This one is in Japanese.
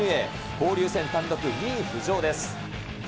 交流戦単独２位浮上です。